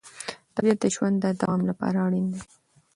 طبیعت د ژوند د دوام لپاره اړین دی